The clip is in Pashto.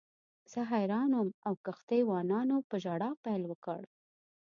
زه حیران وم او کښتۍ وانانو په ژړا پیل وکړ.